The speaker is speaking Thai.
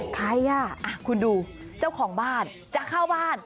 ใครอ่ะคุณดูเจ้าของบ้านจะเข้าบ้าน